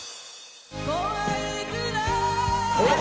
「恐いくらい」